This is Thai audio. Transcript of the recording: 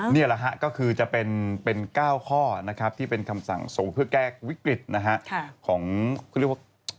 นี่๙ข้อที่เป็นคำสั่งส่งที่จะแกล้งวิกฤต